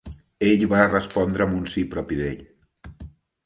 Ell va respondre amb un sí propi d'ell